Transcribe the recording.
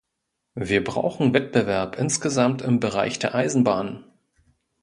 Wir brauchen Wettbewerb insgesamt im Bereich der Eisenbahnen.